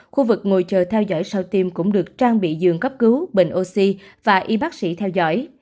khu vực ngồi chờ theo dõi sau tiêm cũng được trang bị giường cấp cứu bình oxy và y bác sĩ theo dõi